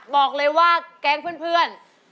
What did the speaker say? บอกเลยว่าแก๊งเพื่อน